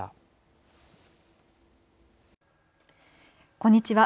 こんにちは。